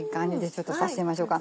ちょっと刺してみましょうか。